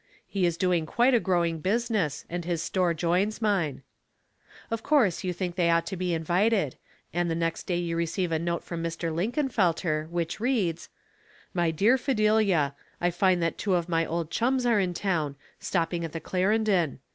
He is doing quite a growing business, and his store joins mine." Of course you think they ought to be invited, and the next day you receive a note from Mr. Linkenfelter, which eads, —'* My Dear Fidelia :— I find that two of my old chums are in town, stopping at the Claren don.